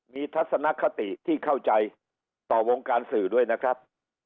มีทัศนคติที่เข้าใจต่อวงการสื่อด้วยนะครับ